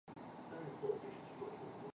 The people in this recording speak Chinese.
猫头刺为豆科棘豆属下的一个种。